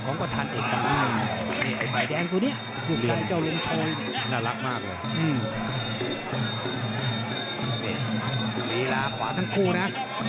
นี่ละขวาทั้งคู่นะ